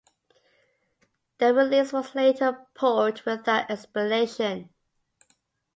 The release was later pulled without explanation.